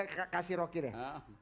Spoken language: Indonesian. oke roky kasih roky deh